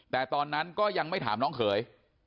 แต่ตอนนั้นก็ยังไม่ถามน้องเขย